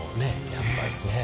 やっぱりねえ。